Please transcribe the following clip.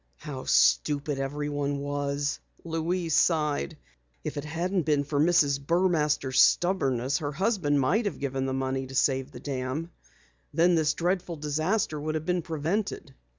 "How stupid everyone was," Louise sighed. "If it hadn't been for Mrs. Burmaster's stubbornness, her husband might have given the money to save the dam. Then this dreadful disaster would have been prevented."